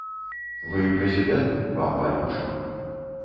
Вы прэзідэнт, вам балюча.